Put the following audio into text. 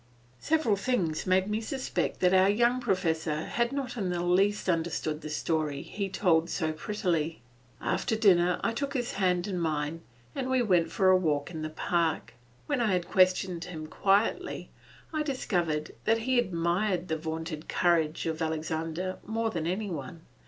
Several things made me suspect that our young professor had not in the least understood the story he told so prettily. After dinner I took his hand in mine and we went for a walk in the park. When I had questioned him quietly, I discovered that he admired the vaunted courage of Alexander more than any one.